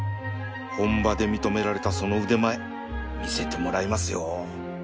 本場で認められたその腕前見せてもらいますよ